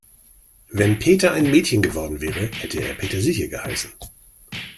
Wenn Peter ein Mädchen geworden wäre, hätte er Petersilie geheißen.